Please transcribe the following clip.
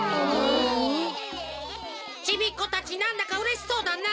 ちびっこたちなんだかうれしそうだなあ。